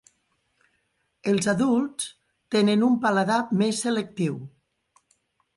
Els adults tenen un paladar més selectiu.